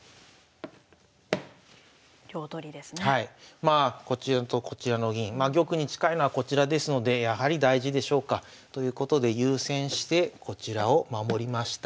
まあこちらとこちらの銀まあ玉に近いのはこちらですのでやはり大事でしょうか。ということで優先してこちらを守りました。